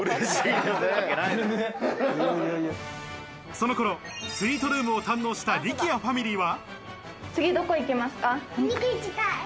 その頃、スイートルームを堪能した力也ファミリーは。